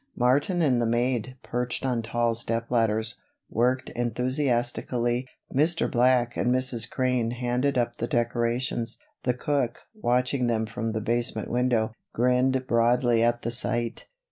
Martin and the maid, perched on tall step ladders, worked enthusiastically. Mr. Black and Mrs. Crane handed up the decorations. The cook, watching them from the basement window, grinned broadly at the sight.